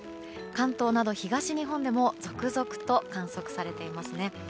関東など東日本でも続々と観測されていますね。